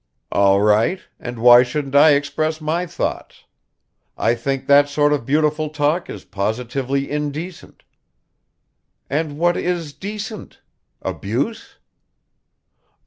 "All right, and why shouldn't I express my thoughts? I think that sort of beautiful talk is positively indecent." "And what is decent? Abuse?"